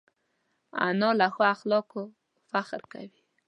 انا له ښو اخلاقو فخر کوي